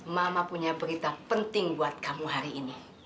mama punya berita penting buat kamu hari ini